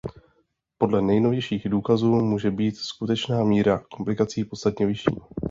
Podle nejnovějších důkazů může být skutečná míra komplikací podstatně vyšší.